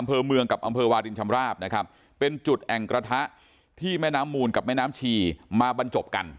อำเภอเมืองกับอำเภอวาลินชำราบนะครับเป็นจุดแอ่งกระทะที่แม่น้ำมูลกับแม่น้ำชีมาบรรจบกัน